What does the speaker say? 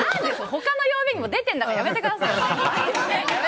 他の曜日にも出てるんだからやめてください！